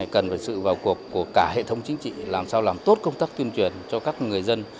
cần phải sự vào cuộc của cả hệ thống chính trị làm sao làm tốt công tác tuyên truyền cho các người dân